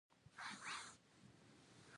حاجي سمندر اکا یو عجیب تکیه کلام درلود.